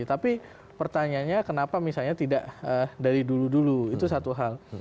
tapi pertanyaannya kenapa misalnya tidak dari dulu dulu itu satu hal